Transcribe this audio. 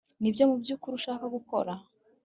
nibyo mubyukuri ushaka gukora